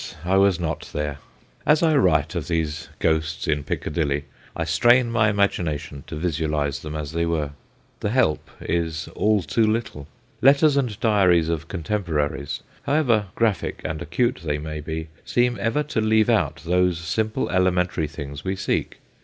I was not there. As I write of these ghosts in Piccadilly I strain my imagination to visualise them as they were. The help is all too little. Letters and diaries of contemporaries, however graphic and acute they may be, seem ever to leave out those simple, elementary things we seek.